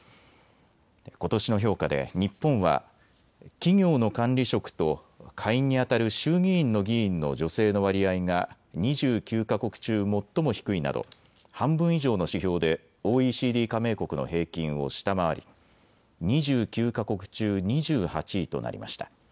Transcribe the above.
ことしの評価で日本は企業の管理職と下院にあたる衆議院の議員の女性の割合が２９か国中、最も低いなど半分以上の指標でＯＥＣＤ加盟国の平均を下回り２９か国中２８位となりました。